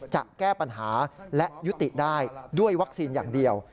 จะแก้ปัญหาและยุติได้ด้วยวัคซีนอย่างเดียว